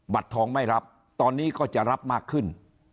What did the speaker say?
ทองไม่รับตอนนี้ก็จะรับมากขึ้น